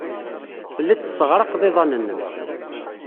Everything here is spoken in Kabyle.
Tellid tesseɣraqed iḍan-nnem.